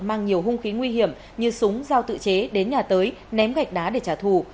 mang nhiều hung khí nguy hiểm như súng giao tự chế đến nhà tới ném gạch đá để trả thù